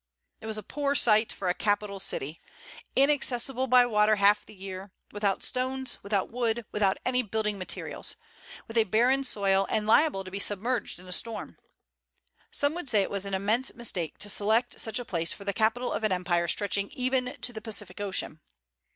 It was a poor site for a capital city, inaccessible by water half the year, without stones, without wood, without any building materials, with a barren soil, and liable to be submerged in a storm. Some would say it was an immense mistake to select such a place for the capital of an empire stretching even to the Pacific ocean.